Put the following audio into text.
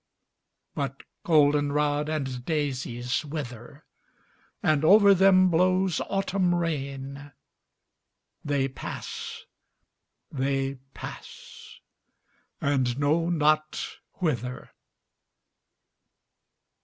But goldenrod and daisies wither, And over them blows autumn rain, They pass, they pass, and know not whither.